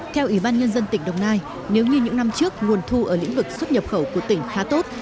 theo ủy ban nhân dân tỉnh đồng nai nếu như những năm trước nguồn thu ở lĩnh vực xuất nhập khẩu của tỉnh khá tốt